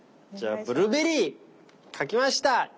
じゃあブルーベリー描きました！